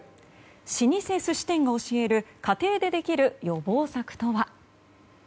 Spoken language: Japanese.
老舗寿司店が教える家庭でできる予防策とは。